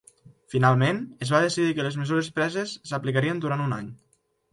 Finalment, es va decidir que les mesures preses s'aplicarien durant un any.